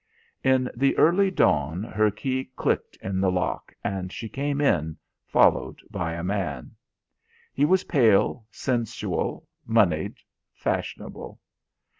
In the early dawn her key clicked in the lock, and she came in, followed by a man. He was pale, sensual, moneyed, fashionable.